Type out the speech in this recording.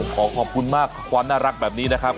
ขอขอบคุณมากความน่ารักแบบนี้นะครับ